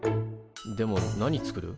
でも何作る？